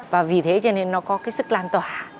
và vì thế cho nên nó có cái sức lan tỏa